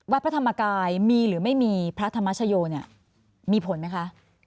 พระธรรมกายมีหรือไม่มีพระธรรมชโยเนี่ยมีผลไหมคะ